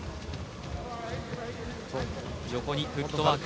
横にフットワーク。